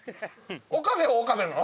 岡部は岡部なの？